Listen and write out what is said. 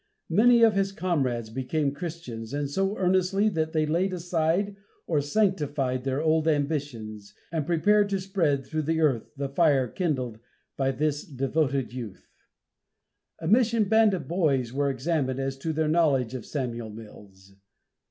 Many of his comrades became Christians, and so earnestly that they laid aside or sanctified their old ambitions, and prepared to spread through the earth the fire kindled by this devoted youth. A mission band of boys were examined as to their knowledge of Samuel Mills.